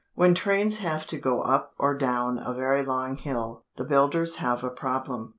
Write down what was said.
When trains have to go up or down a very long hill, the builders have a problem.